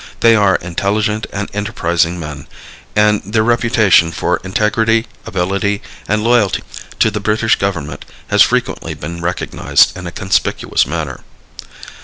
They are intelligent and enterprising men and their reputation for integrity, ability and loyalty to the British government has frequently been recognized in a conspicuous manner.